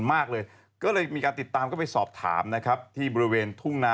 ปุ๊กตาแบบไหน